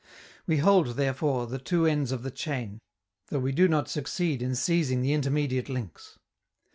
We hold, therefore, the two ends of the chain, though we do not succeed in seizing the intermediate links.